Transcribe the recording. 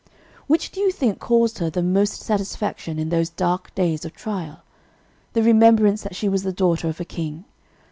"Which do you think caused her the most satisfaction in those dark days of trial: the remembrance that she was the daughter of a king?